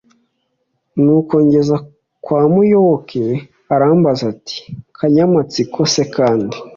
nuko ngeze kwa muyoboke arambaza ati:"kanyamatsiko se kandi